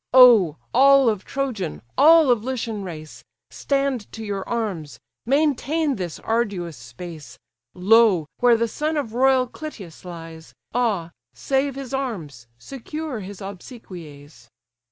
"Oh! all of Trojan, all of Lycian race! Stand to your arms, maintain this arduous space: Lo! where the son of royal Clytius lies; Ah, save his arms, secure his obsequies!"